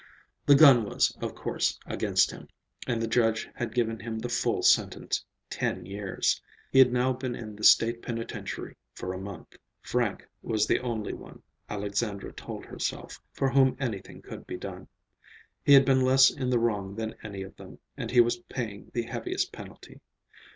The gun was, of course, against him, and the judge had given him the full sentence,—ten years. He had now been in the State Penitentiary for a month. Frank was the only one, Alexandra told herself, for whom anything could be done. He had been less in the wrong than any of them, and he was paying the heaviest penalty.